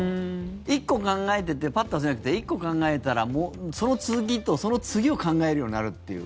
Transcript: １個考えててパッと忘れるんじゃなくて１個考えたらその次とその次を考えるようになるという。